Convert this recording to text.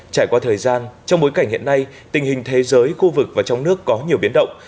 trải qua thời gian trong bối cảnh hiện nay tình hình thế giới khu vực và trong nước có nhiều biến động